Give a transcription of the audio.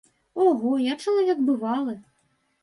Ого, я чалавек бывалы.